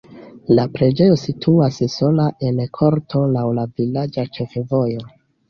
La preĝejo situas sola en korto laŭ la vilaĝa ĉefvojo.